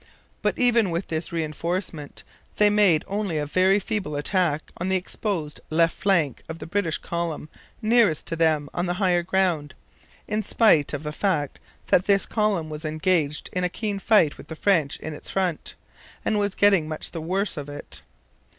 But even with this reinforcement they made only a very feeble attack on the exposed left flank of the British column nearest to them on the higher ground, in spite of the fact that this column was engaged in a keen fight with the French in its front, and was getting much the worse of it.